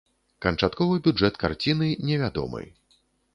Канчатковы бюджэт карціны невядомы.